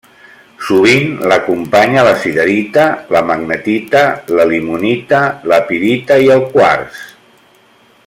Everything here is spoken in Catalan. Sovint l'acompanya la siderita, la magnetita, la limonita, la pirita i el quars.